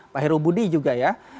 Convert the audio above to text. pak herobudi juga ya